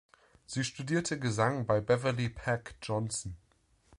Sie studierte Gesang bei Beverley Peck Johnson.